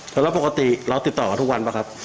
แต่แล้วปกติเราติดต่อทุกวันปะครับ